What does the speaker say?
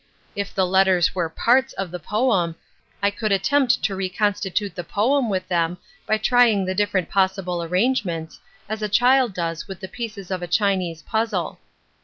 If the letters were parts of the poem, I could attempt to reconstitute the poem with them by trying the different possible arrangements, as a child dofs with the pieces of a Chinese puzzle.